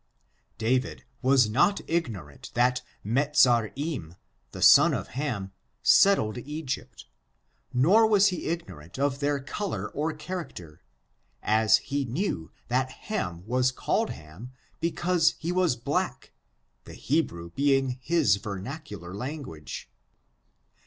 David was not ignorant that Mezarim, the son of Ham, settled Egypt, nor was he ignorant of their color or character, as he knew that Ham was called Ham because he was black, the Hebrew being his vernacular tongue.